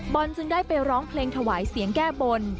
จึงได้ไปร้องเพลงถวายเสียงแก้บน